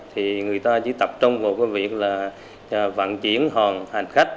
thì người ta chỉ tập trung vào cái việc là vận chuyển hàng khách